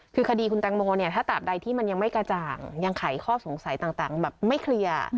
คือคดีคุณแตงโมเนี่ยถ้าตามใดที่มันยังไม่กระจ่างยังไขข้อสงสัยต่างแบบไม่เคลียร์